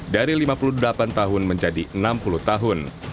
dari lima puluh delapan tahun menjadi enam puluh tahun